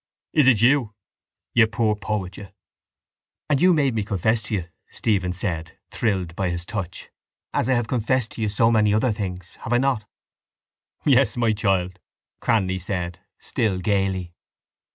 Is it you? You poor poet, you! —And you made me confess to you, Stephen said, thrilled by his touch, as I have confessed to you so many other things, have I not? —Yes, my child, Cranly said, still gaily.